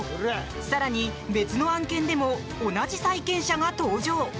更に、別の案件でも同じ債権者が登場。